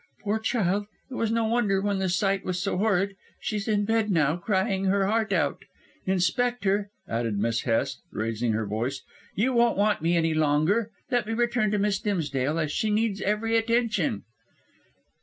"Poor child! It was no wonder, when the sight was so horrid. She's in bed now, crying her heart out. Inspector," added Miss Hest, raising her voice, "you won't want me any longer? Let me return to Miss Dimsdale, as she needs every attention."